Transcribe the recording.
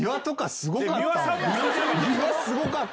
すごかった。